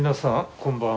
こんばんは。